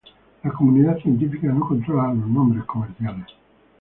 La comunidad científica no controla los nombres comerciales.